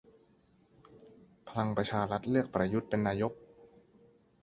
พลังประชารัฐเลือกประยุทธเป็นนายก